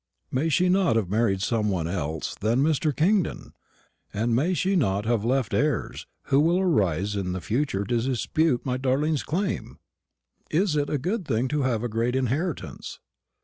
May she not have married some one else than Mr. Kingdon? and may she not have left heirs who will arise in the future to dispute my darling's claim? Is it a good thing to have a great inheritance?